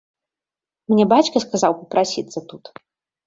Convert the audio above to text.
Мне бацька сказаў папрасіцца тут.